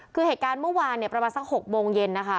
คือเหตุการณ์เมื่อวานเนี่ยประมาณสัก๖โมงเย็นนะคะ